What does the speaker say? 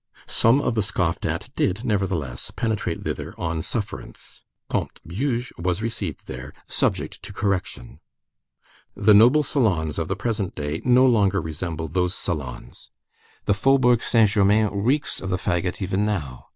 Some of the scoffed at did, nevertheless, penetrate thither on sufferance. Comte Beug was received there, subject to correction. The "noble" salons of the present day no longer resemble those salons. The Faubourg Saint Germain reeks of the fagot even now.